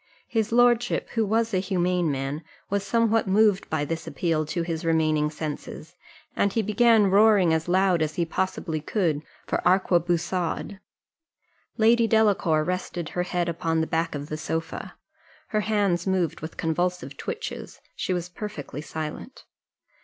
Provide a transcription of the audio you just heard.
His lordship, who was a humane man, was somewhat moved by this appeal to his remaining senses, and he began roaring as loud as he possibly could for arquebusade. Lady Delacour rested her head upon the back of the sofa, her hands moved with convulsive twitches she was perfectly silent.